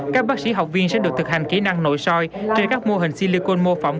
các bác sĩ học viên sẽ được thực hành kỹ năng nội soi trên các mô hình silicon mô phỏng